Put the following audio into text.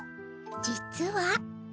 実は。